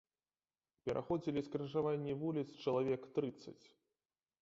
Пераходзілі скрыжаванні вуліц чалавек трыццаць.